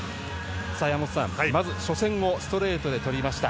山本さん、まず初戦をストレートで取りました。